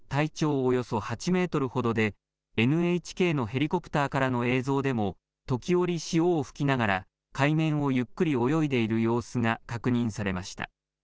およそ８メートルほどで、ＮＨＫのヘリコプターからの映像でも時折潮を吹きながら、海面をゆっくり泳いでいる様子が確認されました。